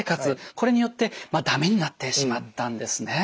これによってだめになってしまったんですね。